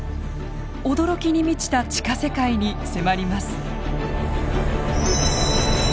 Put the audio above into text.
驚きに満ちた地下世界に迫ります。